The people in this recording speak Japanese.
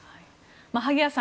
萩谷さん